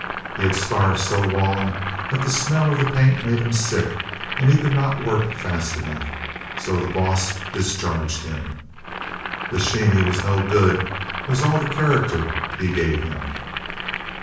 He had starved so long that the smell of the paint made him sick and he could not work fast enough. So the boss discharged him. "The sheeny was no good," was all the character he gave him.